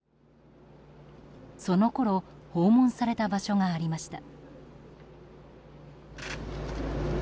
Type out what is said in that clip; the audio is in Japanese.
そのころ訪問された場所がありました。